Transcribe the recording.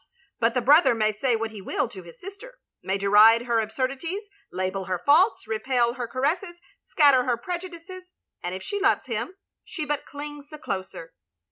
But the brother may say what he will to his sister; may deride her absurdities, label her faults, repel her caresses, scatter her prejudices; and if she loves him, she but clings the closer.